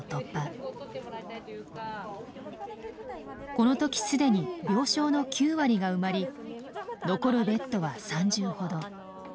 この時既に病床の９割が埋まり残るベッドは３０ほど。